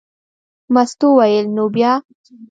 مستو وویل: نو بیا.